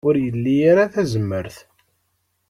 Ur ili ara tazmert.